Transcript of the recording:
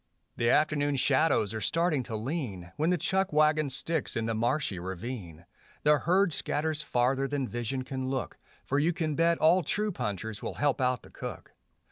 The afternoon shadows are starting to lean, When the chuck wagon sticks in the marshy ravine; The herd scatters farther than vision can look, For you can bet all true punchers will help out the cook.